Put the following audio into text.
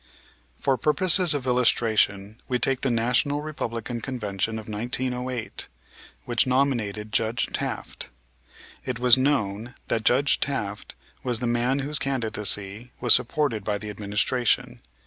For purposes of illustration we will take the National Republican Convention of 1908, which nominated Judge Taft. It was known that Judge Taft was the man whose candidacy was supported by the Administration.